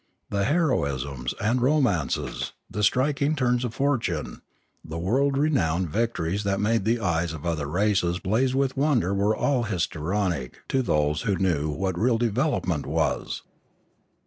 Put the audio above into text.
The heroisms and romances, the striking turns of fortune, the world renowned victories that made the eyes of other races blaze with wonder were all histrionic to those who knew what real development was.